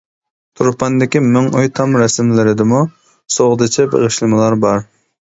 تۇرپاندىكى «مىڭ ئۆي» تام رەسىملىرىدىمۇ سوغدىچە بېغىشلىمىلار بار.